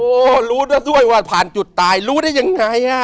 โอ้โหรู้ได้ด้วยว่าผ่านจุดตายรู้ได้ยังไง